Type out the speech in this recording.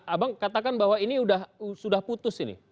abang katakan bahwa ini sudah putus ini